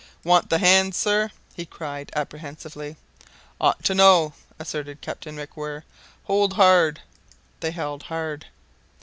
"Want the hands, sir?" he cried, apprehensively. "Ought to know," asserted Captain MacWhirr. "Hold hard." They held hard.